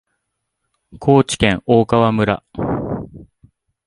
高知県大川村